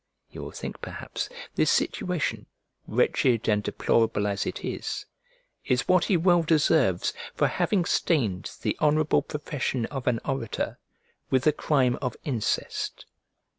You will think, perhaps, this situation, wretched and deplorable as it is, is what he well deserves for having stained the honourable profession of an orator with the crime of incest.